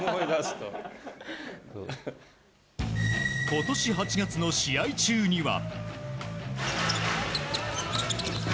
今年８月の試合中には。